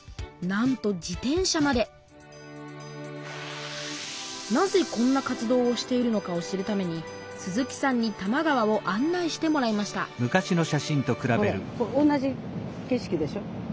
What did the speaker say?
なんと自転車までなぜこんな活動をしているのかを知るために鈴木さんに多摩川を案内してもらいましたこれ同じ景色でしょ。